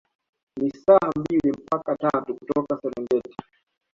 Ni saa mbili mpaka tatu kutoka Serengeti